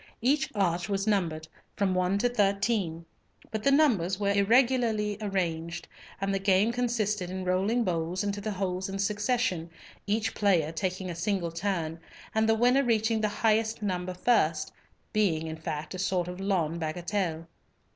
Each arch was numbered, from one to thirteen, but the numbers were irregularly arranged, and the game consisted in rolling bowls into the holes in succession, each player taking a single turn, and the winner reaching the highest number first,—being, in fact, a sort of lawn bagatelle. Dr.